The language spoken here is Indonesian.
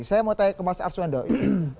saya mau tanya ke mas ars wendel